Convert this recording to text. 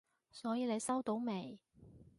所以你收到未？